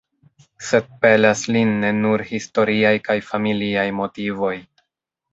Sed pelas lin ne nur historiaj kaj familiaj motivoj.